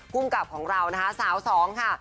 ภูมิกับของเรานะคะสาวสองค่ะ